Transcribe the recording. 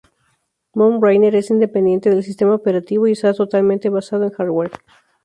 Mount Rainier es independiente del sistema operativo y está totalmente basado en hardware.